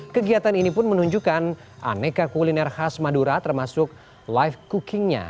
kegiatan ini pun menunjukkan aneka kuliner khas madura termasuk live cookingnya